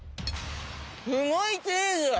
すごいチーズ。